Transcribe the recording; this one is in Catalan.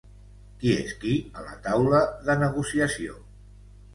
Qui és qui a la taula de negociació?